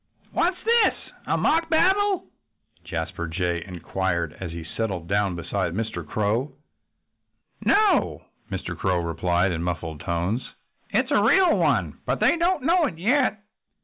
"What's this? A mock battle?" Jasper Jay inquired as he settled down beside Mr. Crow. "No!" Mr. Crow replied in muffled tones. "It is a real one but they don't know it yet."